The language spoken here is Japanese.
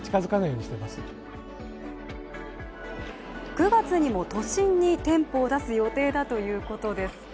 ９月にも都心に店舗を出す予定だということです。